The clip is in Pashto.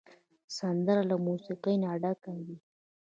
سندره له موسیقۍ نه ډکه وي